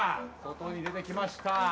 外に出てきました